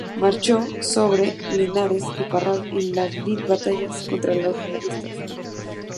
Marchó sobre Linares y Parral en las batallas contra los realistas.